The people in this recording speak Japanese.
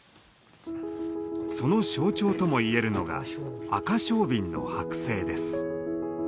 その象徴ともいえるのがアカショウビンの剥製です。